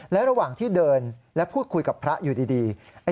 และระหว่างที่เดินและพูดคุยกับพระอยู่ดี